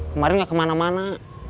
kemarin nggak kemana mana